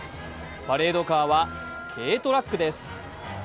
パレードカーは軽トラックです。